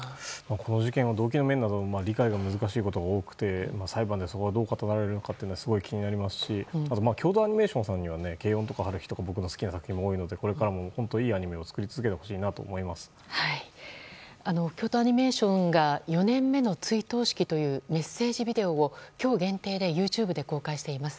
この事件は動機の面など理解が難しいことがあって裁判でそこがどう語られるか気になりますし京都アニメーションには「けいおん！」や「ハルヒ」とか僕の好きなアニメーションも多いのでこれからもいいアニメを作り続けてほしいと京都アニメーションが「四年目の追悼式」というメッセージビデオを今日限定でＹｏｕＴｕｂｅで公開しています。